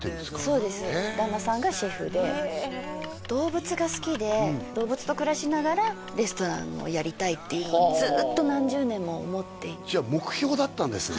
そうです旦那さんがシェフで動物が好きで動物と暮らしながらレストランをやりたいっていうのをずっと何十年も思っていてじゃあ目標だったんですね